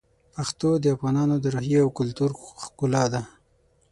پښتو د افغانانو د روحیې او کلتور ښکلا ده.